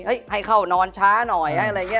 ให้เข้านอนช้าหน่อยอะไรอย่างนี้